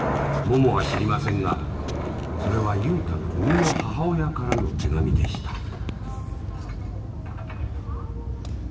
ももは知りませんがそれは雄太の生みの母親からの手紙でした。